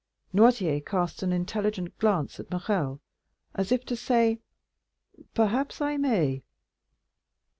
Noirtier cast an intelligent glance at Morrel, as if to say, "perhaps I may."